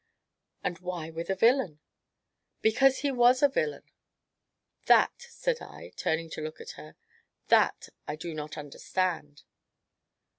"And why with a villain?" "Because he was a villain!" "That," said I, turning to look at her, "that I do not understand!"